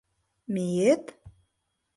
— Мие-ет...